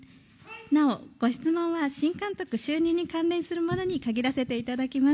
なお、ご質問は新監督就任に関連するものに限らせていただきます。